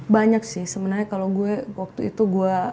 banyak sih sebenarnya kalau gue waktu itu gue